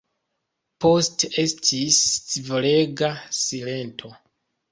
Poste estis scivolega silento.